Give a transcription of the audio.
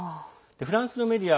フランスのメディア